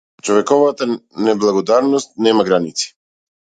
Човековата неблагодарност нема граници.